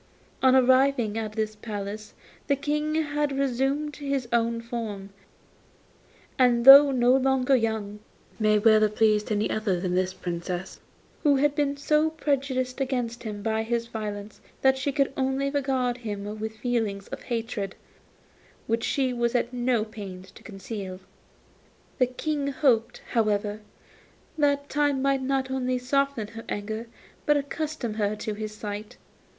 On arriving at this palace the King had resumed his own form, and though no longer young, he might well have pleased any other than this Princess, who had been so prejudiced against him by his violence that she could only regard him with feelings of hatred, which she was at no pains to conceal. The King hoped, however, that time might not only soften her anger, but accustom her to his sight.